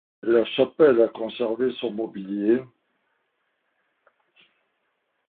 La chapelle a conservé son mobilier.